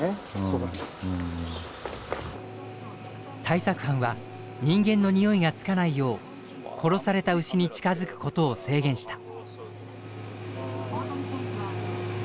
対策班は人間のにおいがつかないよう殺された牛に近づくことを制限した。